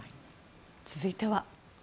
続いては。